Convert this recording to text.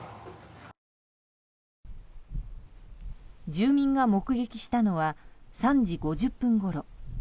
住民が目撃したのは３時５０分ごろ。